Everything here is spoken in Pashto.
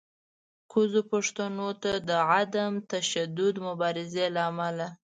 کوزو پښتنو ته د عدم تشدد مبارزې له امله